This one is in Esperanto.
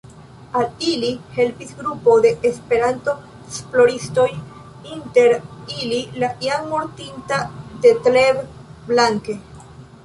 Al ili helpis grupo de Esperanto-esploristoj, inter ili la jam mortinta Detlev Blanke.